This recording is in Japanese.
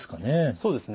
そうですね。